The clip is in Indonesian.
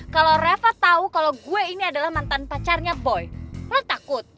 kalau reva tahu kalau gue ini adalah mantan pacarnya boy lo takut